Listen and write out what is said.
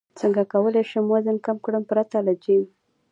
څنګه کولی شم وزن کم کړم پرته له جیم